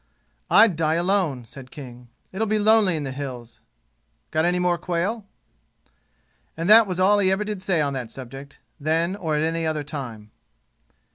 "I'd die alone," said King. "It'll be lonely in the 'Hills.' Got any more quail?" And that was all he ever did say on that subject, then or at any other time.